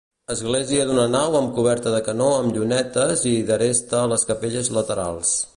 Església d'una nau amb coberta de canó amb llunetes i d'aresta a les capelles laterals.